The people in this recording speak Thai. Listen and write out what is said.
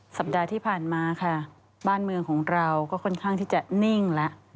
สัปดาห์ที่ผ่านมาค่ะบ้านเมืองของเราก็ค่อนข้างที่จะนิ่งแล้ว